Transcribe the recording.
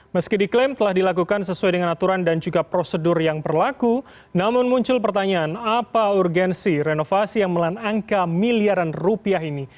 meski diklaim telah dilakukan sesuai dengan aturan dan juga prosedur yang berlaku namun muncul pertanyaan apa urgensi renovasi yang melanda angka miliaran rupiah ini